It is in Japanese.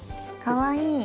かわいい。